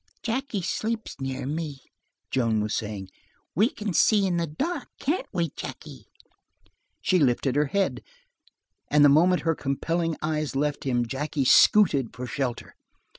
"Jackie sleeps near me," Joan was saying. "We can see in the dark, can't we, Jackie?" She lifted her head, and the moment her compelling eyes left him, Jackie scooted for shelter.